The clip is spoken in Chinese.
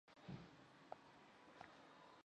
提萨斐尼声称他亲自杀死了叛逆。